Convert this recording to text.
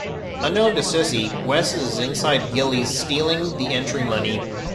Unknown to Sissy, Wes is inside Gilley's stealing the entry money.